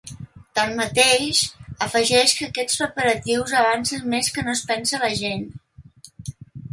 Tanmateix, afegeix que aquests preparatius avancen més que no es pensa la gent.